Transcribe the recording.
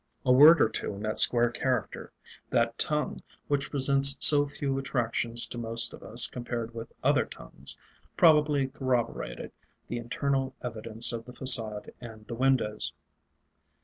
A word or two in that square character that tongue which presents so few attractions to most of us compared with other tongues probably corroborated the internal evidence of the façade and the windows.